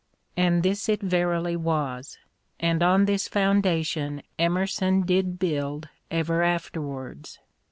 And this it verily was, and on this foundation Emerson did build ever afterwards.